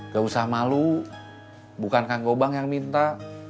gak usah malu bukan kang gobang yang minta